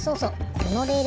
このレール